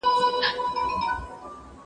زه اجازه لرم چي کتاب واخلم،